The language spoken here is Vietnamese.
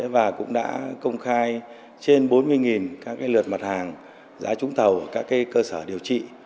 và cũng đã công khai trên bốn mươi các lượt mặt hàng giá trúng thầu các cơ sở điều trị